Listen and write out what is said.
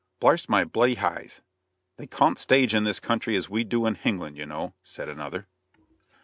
"Blarst me bloody heyes! they cawn't stage in this country as we do in Hingland, you know," said another.